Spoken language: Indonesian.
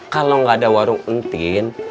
kalau gak ada warung antin